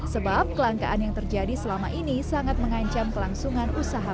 sebab kelangkaan yang terjadi selama ini sangat mengancam kelangsungan usaha